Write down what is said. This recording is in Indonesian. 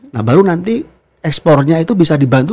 nah baru nanti ekspornya itu bisa dibantu